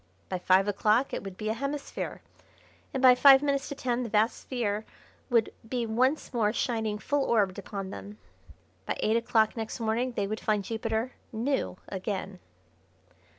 By five o'clock it would be a hemisphere, and by five minutes to ten the vast sphere would be once more shining full orbed upon them. By eight o'clock next morning they would find Jupiter "new" again.